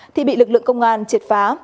thì bị lực lượng công an triệt phá